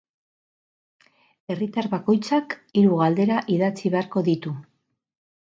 Herritar bakoitzak hiru galdera idatzi beharko ditu.